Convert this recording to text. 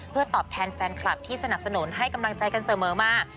เพื่อตอบแทนแฟนคลับที่สนับสนุนให้กำลังใจกันเสมอมา